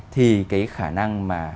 thì cái khả năng mà